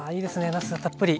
なすがたっぷり。